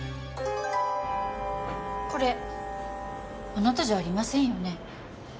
これあなたじゃありませんよね？